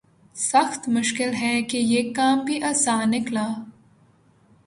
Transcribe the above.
سخت مشکل ہے کہ یہ کام بھی آساں نکلا